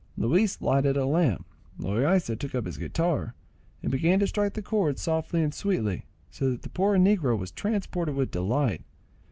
Luis lighted a lamp; Loaysa took up his guitar, and began to strike the chords softly and sweetly, so that the poor negro was transported with delight.